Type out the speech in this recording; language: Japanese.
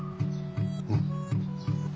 うん。